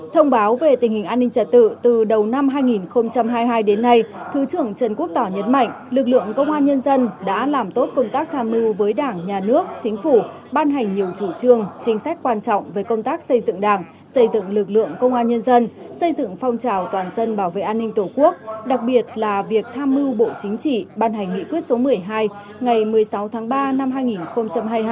thông báo về tình hình an ninh trả tự từ đầu năm hai nghìn hai mươi hai đến nay thứ trưởng trần quốc tỏ nhấn mạnh lực lượng công an nhân dân đã làm tốt công tác tham mưu với đảng nhà nước chính phủ ban hành nhiều chủ trương chính sách quan trọng về công tác xây dựng đảng xây dựng lực lượng công an nhân dân thật sự trong sạch vững mạnh chính sách tích cực